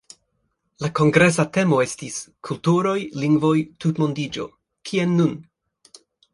La kongresa temo estis “Kulturoj, lingvoj, tutmondiĝo: Kien nun?”.